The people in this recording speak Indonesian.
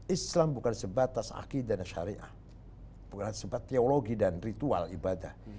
islam bukan sebatas akidah syariah bukan sebatas teologi dan ritual ibadah